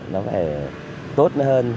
nó phải tốt hơn